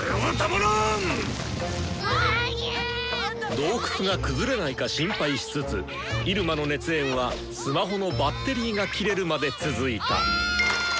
洞窟が崩れないか心配しつつ入間の熱演はス魔ホのバッテリーが切れるまで続いた。